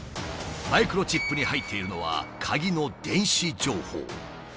マイクロチップに入っているのは鍵の電子情報。